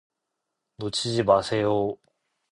놓치지 마세요.